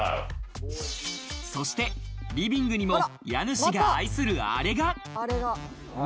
そしてリビングにも家主が愛する、あれが。